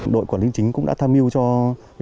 đội quản lý chính cũng đã tham yêu cho bệnh viện